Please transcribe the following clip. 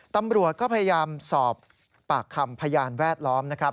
ตำรวจก็พยายามสอบปากคำพยานแวดล้อมนะครับ